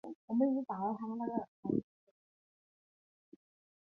二战时期美国海军为了在科奥劳山山顶设立无线电天线而建立了这条步道。